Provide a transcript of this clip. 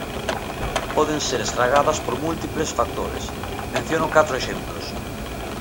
Poden ser estragadas por múltiples factores; menciono catro exemplos.